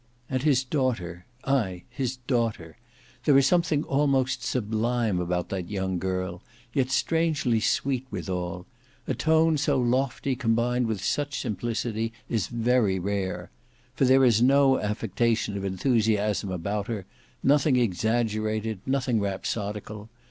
"And his daughter—ay, his daughter! There is something almost sublime about that young girl, yet strangely sweet withal; a tone so lofty combined with such simplicity is very rare. For there is no affectation of enthusiasm about her; nothing exaggerated, nothing rhapsodical.